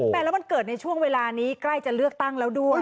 แล้วมันเกิดในช่วงเวลานี้ใกล้จะเลือกตั้งแล้วด้วย